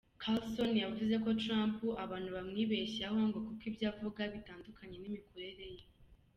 Carson yavuze ko Trump abantu bamwibeshyaho, ngo kuko ibyo avuga bitandukanye n’imikorere ye.